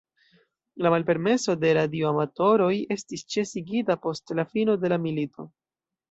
La malpermeso de radioamatoroj estis ĉesigita post la fino de la milito.